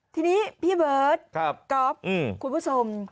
ทีนี้พี่เบิร์ตก๊อฟคุณผู้ชม